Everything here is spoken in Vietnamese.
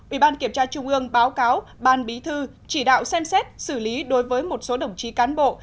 ủy ban kiểm tra trung ương báo cáo ban bí thư chỉ đạo xem xét xử lý đối với một số đồng chí cán bộ